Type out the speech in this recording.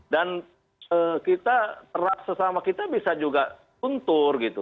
dan kita terasa sama kita bisa juga untur gitu